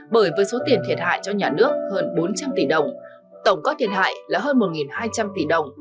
bởi với số tiền thiệt hại cho nhà nước hơn bốn trăm linh tỷ đồng tổng có thiệt hại là hơn một hai trăm linh tỷ đồng